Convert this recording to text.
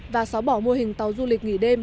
và xóa bỏ mô hình tàu du lịch nghỉ đêm